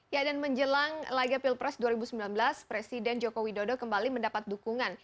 ya dan menjelang laga pilpres dua ribu sembilan belas presiden joko widodo kembali mendapat dukungan